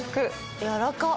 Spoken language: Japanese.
やわらかっ！